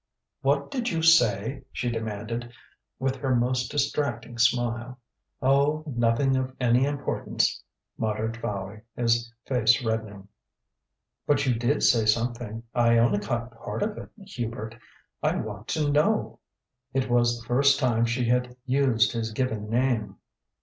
"What did you say?" she demanded, with her most distracting smile. "Oh, nothing of any importance," muttered Fowey, his face reddening. "But you did say something. I only caught part of it. Hubert, I want to know!" It was the first time she had used his given name.